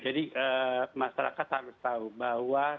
jadi masyarakat harus tahu bahwa